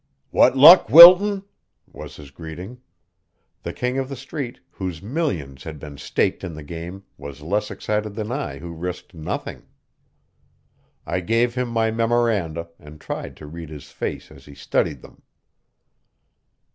"What luck, Wilton?" was his greeting. The King of the Street, whose millions had been staked in the game, was less excited than I who risked nothing. I gave him my memoranda, and tried to read his face as he studied them.